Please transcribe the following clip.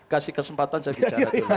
kasih kesempatan saya bicara dulu